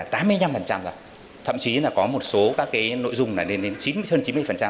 thậm chí là có một số các cái nội dung là lên đến hơn chín mươi